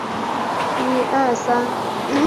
雷凌科技公司晶片组。